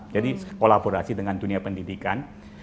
jadi kolaborasi dengan dunia pendidikan